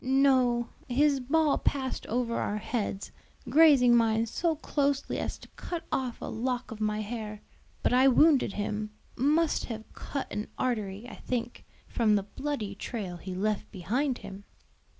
"No; his ball passed over our heads, grazing mine so closely as to cut off a lock of my hair. But I wounded him, must have cut an artery, I think, from the bloody trail he left behind him."